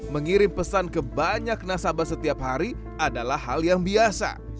mengirim pesan ke banyak nasabah setiap hari adalah hal yang biasa